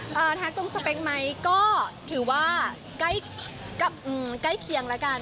แท็กตรงสเปคไหมก็ถือว่าใกล้เคียงแล้วกัน